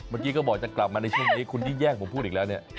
เมื่อกี้ก็บอกจะกลับมาในช่วงนี้คุณที่แยกผมพูดอีกแล้วเนี่ย